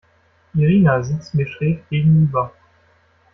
Irina sitzt mir schräg gegenüber.